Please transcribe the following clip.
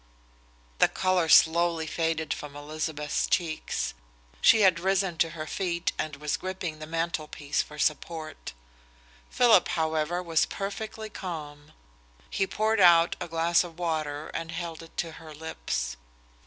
The colour slowly faded from Elizabeth's cheeks. She had risen to her feet and was gripping the mantelpiece for support. Philip, however, was perfectly calm. He poured out a glass of water and held it to her lips.